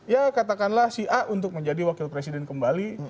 ya katakanlah si a untuk menjadi wakil presiden kembali